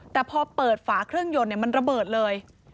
แต่พอเปิดฝาเครื่องยนต์มันระเบิดเลย